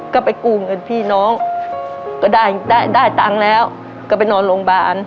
ก็ไปกู้เงินพี่น้องก็ได้ได้ตังค์แล้วก็ไปนอนโรงพยาบาล